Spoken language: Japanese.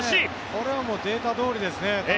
これはもうデータどおりですね。